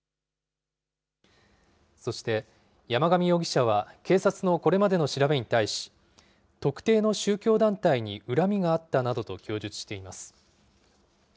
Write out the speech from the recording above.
そして山上容疑者は警察のこれまでの調べに対し、特定の宗教団体に恨みがあったなどと供述しています。